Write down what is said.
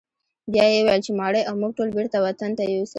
بیا یې وویل چې ماڼۍ او موږ ټول بیرته وطن ته یوسه.